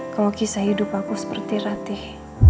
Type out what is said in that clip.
kalau kisah hidup aku seperti ratih